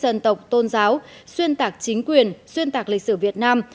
dân tộc tôn giáo xuyên tạc chính quyền xuyên tạc lịch sử việt nam